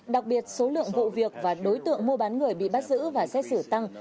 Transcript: đặc biệt số lượng vụ việc và đối tượng mua bán người bị bắt giữ và xét xử tăng